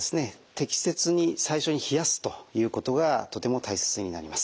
適切に最初に冷やすということがとても大切になります。